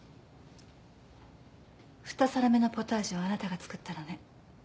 ２皿目のポタージュはあなたが作ったのね。